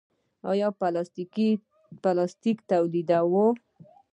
آیا پلاستیک تولیدوو؟